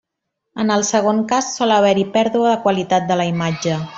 En el segon cas sol haver-hi pèrdua de qualitat de la imatge.